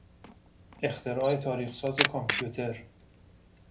اختراع تاریخ ساز کامپیوتر